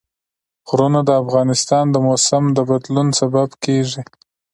غرونه د افغانستان د موسم د بدلون سبب کېږي.